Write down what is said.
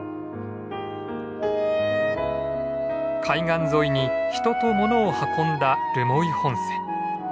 海岸沿いに人と物を運んだ留萌本線。